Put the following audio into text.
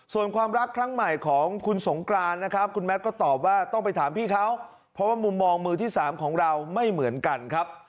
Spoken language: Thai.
ส่วนความรักครั้งใหม่ของคุณสงกรานนะครับคุณแมทก็ตอบว่าต้องไปถามพี่เขาเพราะว่ามุมมองมือที่๓ของเราไม่เหมือนกันครับ